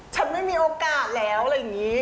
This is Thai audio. ฉันไม่มีโอกาสแล้วอะไรอย่างนี้